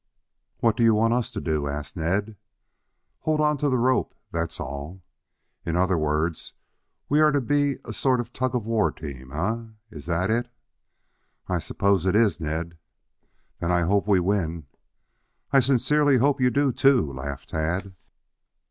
"What do you want us to do?" asked Ned. "Hold on to the rope, that's all." "In other words, we are to be a sort of 'tug of war' team, eh? Is that it?" "I suppose it is, Ned." "Then I hope we win." "I sincerely hope you do, too," laughed Tad.